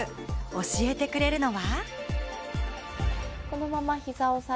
教えてくれるのは。